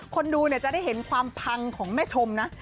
คนดูจะได้เห็นความพังของแม่ชมนะ